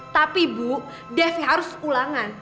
tapi bu devi harus ulangan